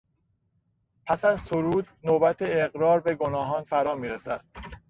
پس از سرود نوبت اقرار به گناهان فرامیرسد.